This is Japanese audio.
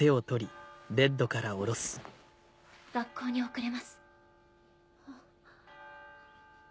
学校に遅れます。